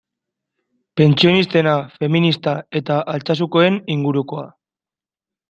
Pentsionistena, feminista eta Altsasukoen ingurukoa.